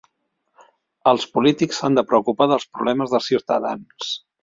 Els polítics s'han de preocupar dels problemes dels ciutadans.